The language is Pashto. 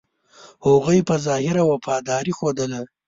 هغوی په ظاهره وفاداري ښودله.